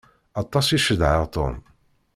Aṭas i cedhaɣ Tom.